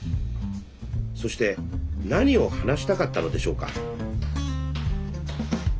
そして何を話したかったのでしょうか。